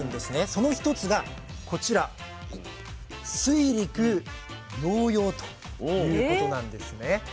その一つがこちら水陸両用ということなんですね。